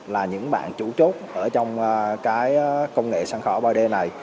là những bạn chủ chốt ở trong công nghệ sân khấu ảo ba d này